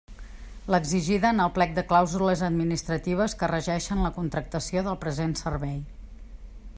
L'exigida en el plec de clàusules administratives que regeixen la contractació del present servei.